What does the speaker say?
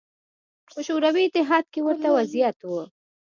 په شوروي اتحاد کې ورته وضعیت و